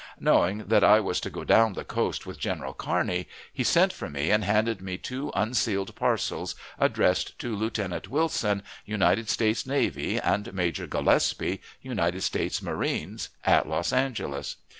Knowing that I was to go down the coast with General Kearney, he sent for me and handed me two unsealed parcels addressed to Lieutenant Wilson, United States Navy, and Major Gillespie, United States Marines, at Los Angeles.